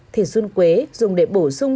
thịt dân quế dùng để bổ sung